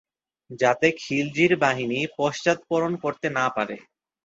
যাতে খিলজির বাহিনী পশ্চাদপসরণ করতে না পারে।